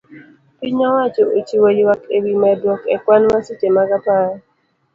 Piny owacho ochiwo yuak ewi medruok e kwan masiche mag apaya